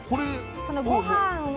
その御飯を。